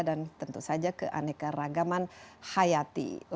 dan tentu saja keanekaragaman hayati